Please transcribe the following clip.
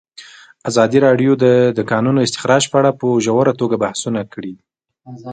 ازادي راډیو د د کانونو استخراج په اړه په ژوره توګه بحثونه کړي.